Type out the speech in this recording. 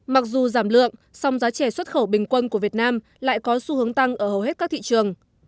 mặc dù giảm lượng song giá chè xuất khẩu bình quân của việt nam lại có xu hướng tăng ở hầu hết các thị trường